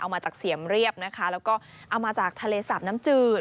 เอามาจากเสียมเรียบนะคะแล้วก็เอามาจากทะเลสาบน้ำจืด